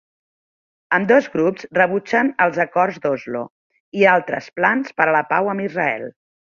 Ambdós grups rebutgen els Acords d'Oslo i altres plans per a la pau amb Israel.